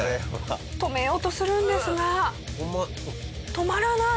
止めようとするんですが止まらない！